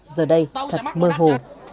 giờ đây thật mơ hồ